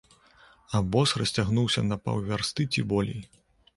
Абоз расцягнуўся на паўвярсты ці болей.